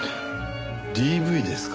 ＤＶですか。